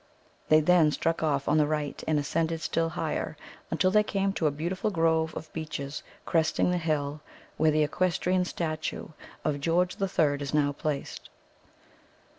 They then struck off on the right, and ascended still higher, until they came to a beautiful grove of beeches cresting the hill where the equestrian statue of George the Third is now placed.